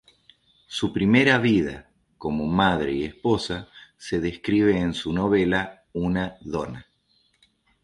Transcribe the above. Su 'primera vida', como madre y esposa, se describe en su novela "Una Donna".